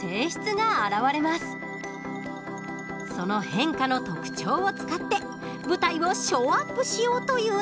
その変化の特徴を使って舞台をショーアップしようというのです。